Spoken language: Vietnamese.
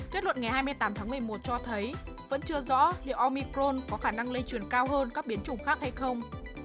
kết luận ngày hai mươi tám tháng một mươi một cho thấy vẫn chưa rõ liệu omicron có khả năng lây truyền cao hơn các biến chủng mới omicron